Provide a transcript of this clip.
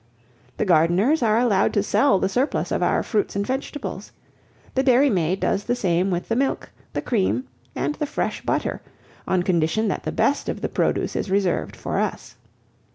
The gardeners are allowed to sell the surplus of our fruits and vegetables. The dairymaid does the same with the milk, the cream, and the fresh butter, on condition that the best of the produce is reserved for us.